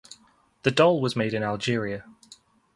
The doll was made in Algeria.